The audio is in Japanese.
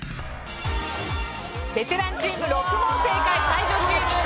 ベテランチーム６問正解才女チーム